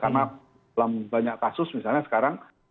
karena dalam banyak kasus misalnya sekarang